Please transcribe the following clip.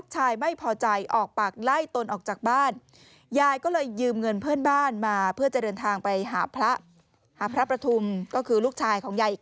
ใหญ่อีกคนนึงนะคะ